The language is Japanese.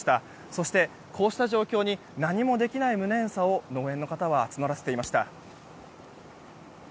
そして、こうした状況に何もできない無念さを農園の方は募らせていました。